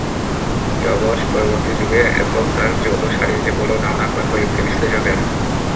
Jobs পরবর্তী যুগে Apple তাঁর জৌলুস হারিয়েছে বলেও ধারণা করেন প্রযুক্তি বিশ্লেষকেরা।